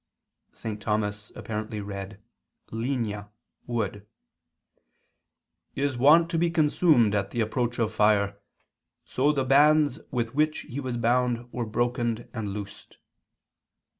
_ St. Thomas apparently read ligna ('wood')] is wont to be consumed at the approach of fire, so the bands with which he was bound were broken and loosed."